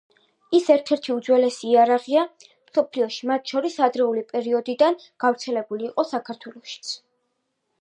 ის, ერთ-ერთი უძველესი იარაღია მსოფლიოში, მათ შორის ადრეული პერიოდიდან გავრცელებული იყო საქართველოშიც.